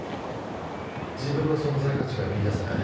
自分の存在価値が見いだせない。